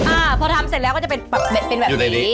อ่าพอทำเสร็จแล้วก็จะเป็นปัสเบ็ดแบบนี้